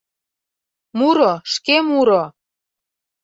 — Муро, шке муро!